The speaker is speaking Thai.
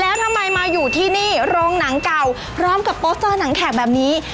แล้วทำไมมาอยู่ที่นี่โรงหนังเก่าพร้อมกับโปสเตอร์หนังแขกแบบนี้